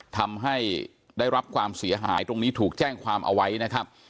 ทำให้ได้รับความเสียหายตรงนี้ถูกแจ้งความเอาไว้นะครับ